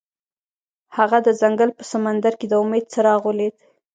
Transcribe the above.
هغه د ځنګل په سمندر کې د امید څراغ ولید.